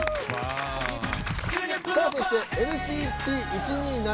そして、ＮＣＴ１２７。